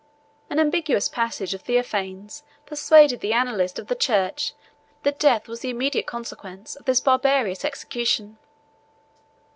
An ambiguous passage of Theophanes persuaded the annalist of the church that death was the immediate consequence of this barbarous execution.